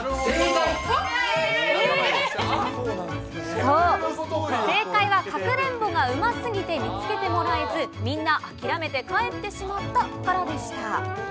そう、正解はかくれんぼがうますぎて見つけてもらえず、皆諦めて帰ってしまったからでした。